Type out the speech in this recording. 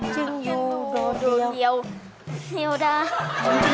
ฉันอยู่เด่า